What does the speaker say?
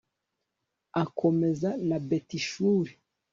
akomeza na betishuri